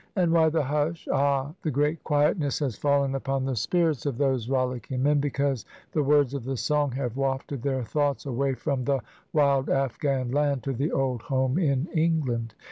And why the hush? Ah! the great quietness has fallen upon the spirits of 222 SUNDAY IN THE BRITISH ARMY IN INDIA those rollicking men, because the words of the song have wafted their thoughts away from the wild Afghan land to the old home in England.